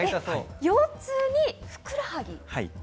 腰痛にふくらはぎ？